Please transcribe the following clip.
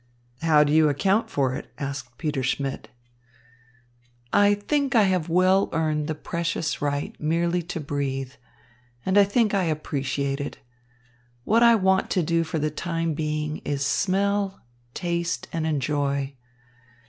"How do you account for it?" asked Peter Schmidt. "I think I have well earned the precious right merely to breathe, and I think I appreciate it. What I want to do for the time being is smell, taste, and enjoy.